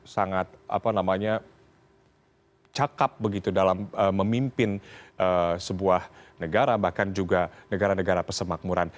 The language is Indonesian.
sangat cakep begitu dalam memimpin sebuah negara bahkan juga negara negara pesemakmuran